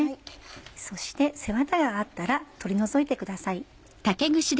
そして背ワタがあったら取り除いてください。